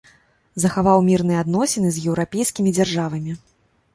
Захаваў мірныя адносіны з еўрапейскімі дзяржавамі.